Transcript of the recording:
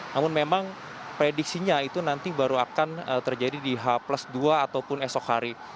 namun memang prediksinya itu nanti baru akan terjadi di h dua ataupun esok hari